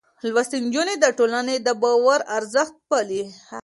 لوستې نجونې د ټولنې د باور ارزښت پالي.